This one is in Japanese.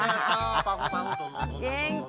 元気。